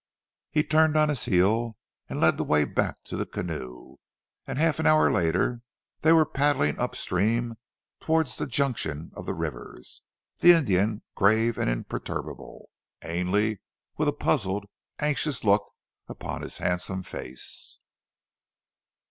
He turned on his heel and led the way back to the canoe, and half an hour later they were paddling upstream towards the junction of the rivers, the Indian grave and imperturbable; Ainley with a puzzled, anxious look upon his handsome face.